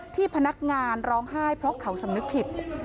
ที่พนักงานร้องไห้เพราะเขาสำนึกผิด